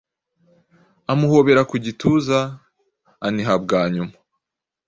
Amuhobera ku gituza, aniha bwa nyuma.